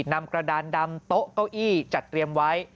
นำกระดานดำโต๊ะเก้าอี้จัดเตรียมไว้